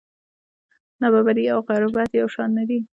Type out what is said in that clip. نابرابري او غربت یو شان نه دي.